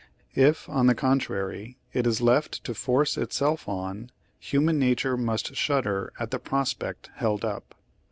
If, on the contrary, it is left to force itself on, human nature must shudder at the prospect held up."